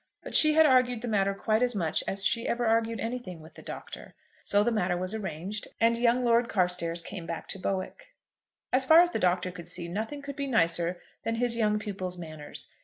But she had argued the matter quite as much as she ever argued anything with the Doctor. So the matter was arranged, and young Lord Carstairs came back to Bowick. As far as the Doctor could see, nothing could be nicer than his young pupil's manners.